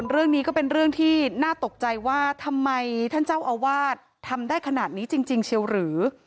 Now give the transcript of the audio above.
เรื่องนี้ก็เป็นเรื่องที่น่าตกใจว่าทำไมท่านเจ้าอาวาสทำได้ขนาดนี้จริงเชียวหรือ